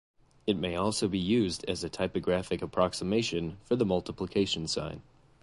It may also be used as a typographic approximation for the multiplication sign.